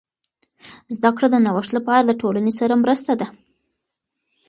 زده کړه د نوښت لپاره د ټولنې سره مرسته ده.